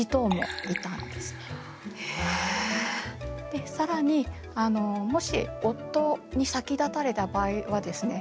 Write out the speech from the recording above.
で更にもし夫に先立たれた場合はですね